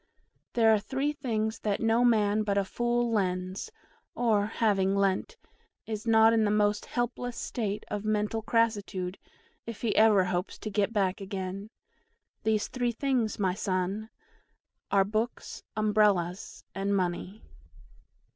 "There are three things that no man but a fool lends, or, having lent, is not in the most helpless state of mental crassitude if he ever hopes to get back again. These three things, my son, are BOOKS, UMBRELLAS, and MONEY!